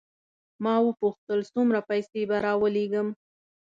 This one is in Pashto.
ما وپوښتل څومره پیسې به راولېږم.